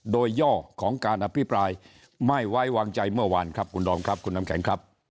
โดยย่อของการอภิปรายไม่ไว้วางใจเมื่อวานคุณดองคุณนำแข็ง